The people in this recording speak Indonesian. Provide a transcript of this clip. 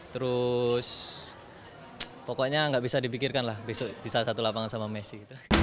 terus pokoknya gak bisa dibikirkan lah bisa satu lapangan sama messi